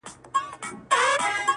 شعرونه نور ورته هيڅ مه ليكه!